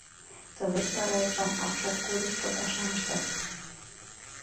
Тылеч вара Эчан апшаткудышто пашам ышташ тӱҥале.